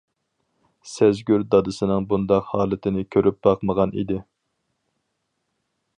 سەزگۈر دادىسىنىڭ بۇنداق ھالىتىنى كۆرۈپ باقمىغان ئىدى.